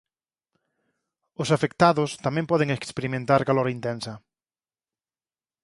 Os afectados tamén poden experimentar calor intensa.